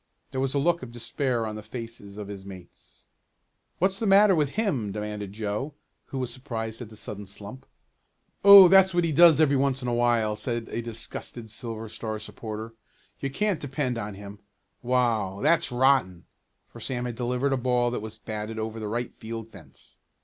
There was a look of despair on the faces of his mates. "What's the matter with him?" demanded Joe, who was surprised at the sudden slump. "Oh, that's what he does every once in a while," said a disgusted Silver Star supporter. "You can't depend on him. Wow, that's rotten!" for Sam had delivered a ball that was batted over the right field fence.